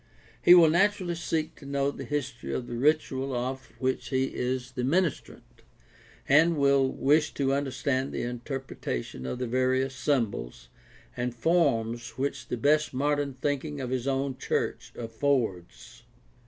He will naturally seek to know the history of the ritual of which he is the ministrant, and will wish to understand the inter pretation of the various symbols and forms which the best modern thinking of his own church affords.